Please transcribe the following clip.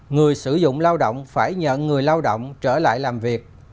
người sử dụng lao động phải nhận người lao động trở lại làm việc